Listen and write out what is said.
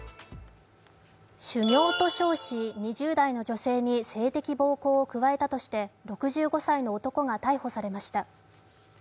修行と称し、２０代の女性に性的暴行を加えたとして６５歳の男が逮捕されました。